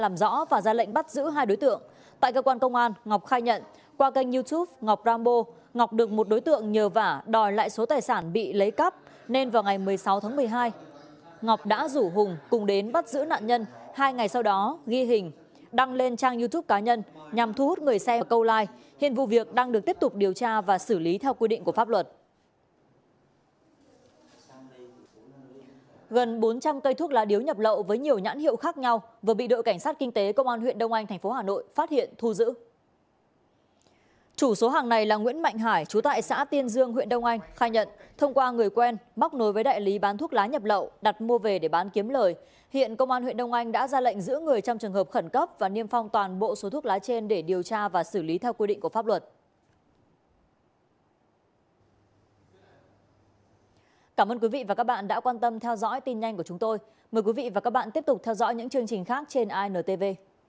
mời quý vị và các bạn tiếp tục theo dõi những chương trình khác trên intv